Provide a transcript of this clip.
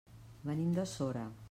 Venim de Sora.